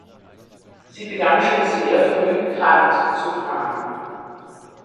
Sie begann schon sehr früh Kart zu fahren.